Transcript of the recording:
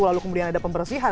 lalu kemudian ada pembersihan